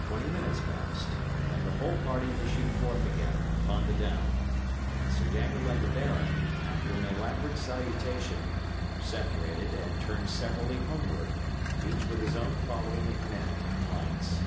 Twenty minutes passed, and then the whole party issued forth again upon the down; and Sir Daniel and the baron, after an elaborate salutation, separated and turned severally homeward, each with his own following of men and lights.